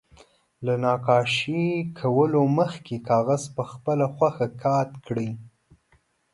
له نقاشي کولو مخکې کاغذ په خپله خوښه قات کړئ.